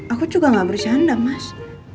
aku juga gak bersanda mas